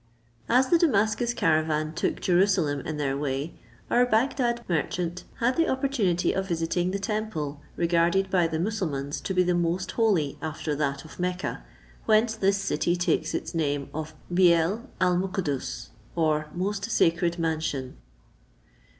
As the Damascus caravan took Jerusalem in their way, our Bagdad merchant had the opportunity of visiting the temple, regarded by the Mussulmauns to be the most holy, after that of Mecca, whence this city takes its name of Biel al Mukkuddus, or most sacred mansion.